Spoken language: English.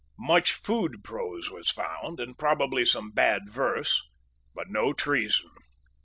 Much food prose was found, and probably some bad verse, but no treason.